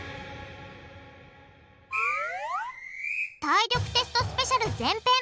体力テストスペシャル前編